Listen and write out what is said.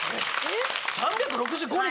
３６５日？